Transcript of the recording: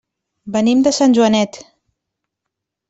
Venim de Sant Joanet.